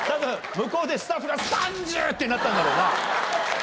向こうでスタッフが「３０！？」ってなったんだろうな。